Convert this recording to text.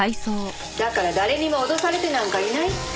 だから誰にも脅されてなんかいないって。